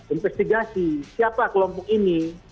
investigasi siapa kelompok ini